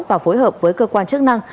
và phối hợp với cơ quan chức năng